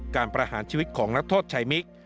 ประหารชีวิตของนักโทษชายมิก